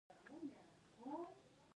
د سر د درد لپاره د یخو اوبو کڅوړه وکاروئ